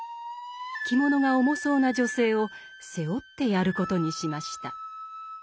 着物が重そうな女性を背負ってやることにしました。